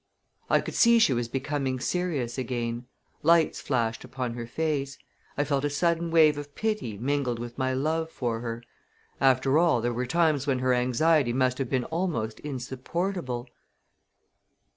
I could see she was becoming serious again. Lights flashed upon her face. I felt a sudden wave of pity mingled with my love for her. After all, there were times when her anxiety must have been almost insupportable.